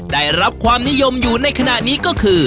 ได้รับความนิยมอยู่ในขณะนี้ก็คือ